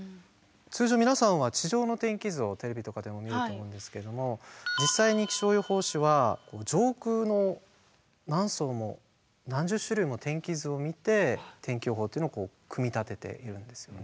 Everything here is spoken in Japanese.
通常皆さんは地上の天気図をテレビとかでも見ると思うんですけども実際に気象予報士は上空の何層も何十種類も天気図を見て天気予報というのを組み立てているんですよね。